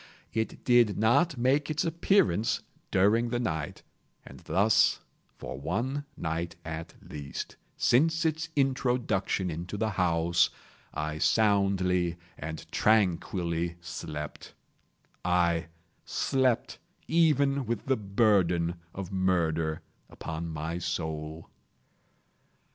It did not make its appearance during the night; and thus for one night at least, since its introduction into the house, I soundly and tranquilly slept; aye, slept even with the burden of murder upon my soul!